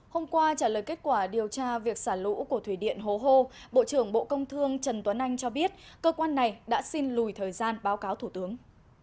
hôm qua trả lời kết quả điều tra việc xả lũ của thủy điện hố hô bộ trưởng bộ công thương trần tuấn anh cho biết cơ quan này đã xin lùi thời gian báo cáo thủ tướng